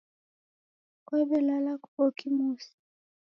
Kwaw'elala kuko kimusi